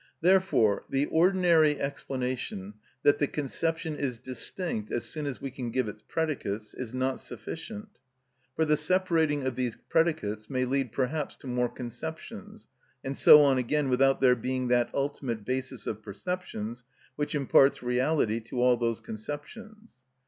Therefore the ordinary explanation that the conception is distinct as soon as we can give its predicates is not sufficient. For the separating of these predicates may lead perhaps to more conceptions; and so on again without there being that ultimate basis of perceptions which imparts reality to all those conceptions.